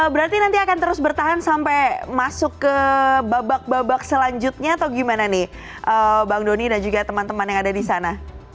berarti nanti akan terus bertahan sampai masuk ke babak babak selanjutnya atau gimana nih bang doni dan juga teman teman yang ada di sana